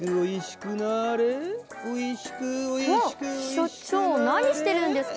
所長何してるんですか？